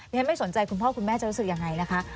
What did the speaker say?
ฉันไม่สนใจคุณพ่อคุณแม่จะรู้สึกยังไงนะคะ